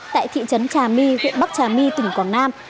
tại thị trấn trà my huyện bắc trà my tỉnh quảng nam